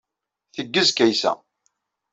Teggez Kaysa.